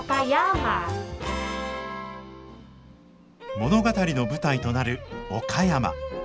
物語の舞台となる岡山。